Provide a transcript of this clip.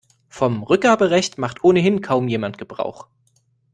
Vom Rückgaberecht macht ohnehin kaum jemand Gebrauch.